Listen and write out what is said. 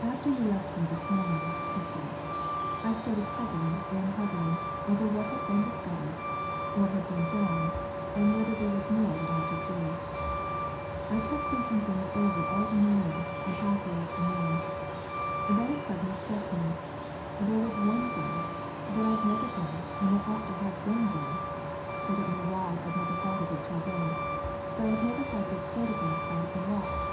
"After you left me this morning," he said, "I started puzzling and puzzling over what had been discovered, what had been done, whether there was more that I could do. I kept thinking things over all the morning, and half the afternoon. Then it suddenly struck me there was one thing that I'd never done and that ought to have been done I don't know why I'd never thought of it till then but I'd never had this photograph out of the watch.